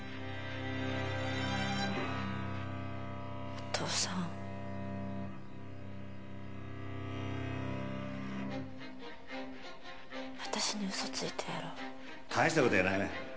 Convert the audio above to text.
お父さん私に嘘ついたやろ大したことやないわ